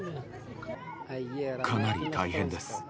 かなり大変です。